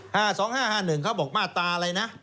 สองห้าห้าหนึ่งเขาบอกมาตราอะไรนะ